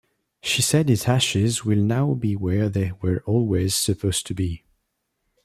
She said His ashes will now be where they were always supposed to be.